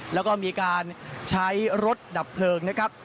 แล้วก็มีการใช้รถดับเพลิงนะครับ